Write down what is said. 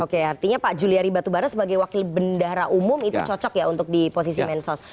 oke artinya pak juliari batubara sebagai wakil bendahara umum itu cocok ya untuk di posisi mensos